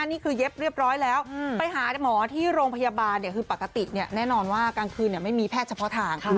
นี่คือเย็บเรียบร้อยแล้วไปหาหมอที่โรงพยาบาลคือปกติแน่นอนว่ากลางคืนไม่มีแพทย์เฉพาะทาง